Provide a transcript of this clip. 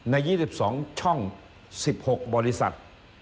ใน๒๒ช่อง๑๖บริษัท